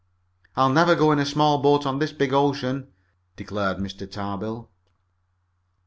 "I'll never go in a small boat on this big ocean," declared Mr. Tarbill.